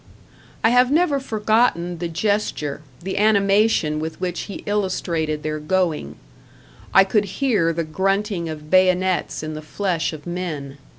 I have never forgotten the gesture, the animation with which he illustrated their going I could hear the grunting of bayonets in the flesh of men.